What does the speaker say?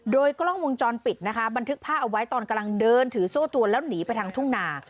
โดยกล้องวงจรปิดนะคะบันทึกภาพเอาไว้ตอนกำลังเดินถือโซ่ตัวแล้วหนีไปทางทุ่งนา